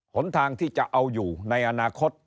หนทางที่จะเอาอยู่ในอนาคต